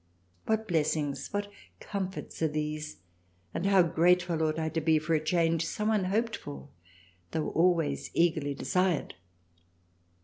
What Blessings, What Comforts are these ! and how grateful ought I to be for a Change so unhoped for, though always eagerly desired.